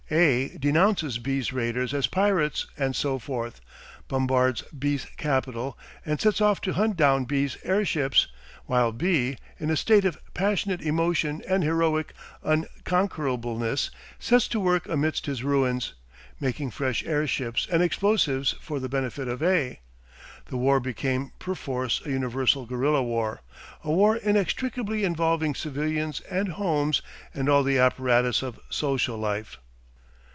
A denounces B's raiders as pirates and so forth, bombards B's capital, and sets off to hunt down B's airships, while B, in a state of passionate emotion and heroic unconquerableness, sets to work amidst his ruins, making fresh airships and explosives for the benefit of A. The war became perforce a universal guerilla war, a war inextricably involving civilians and homes and all the apparatus of social life.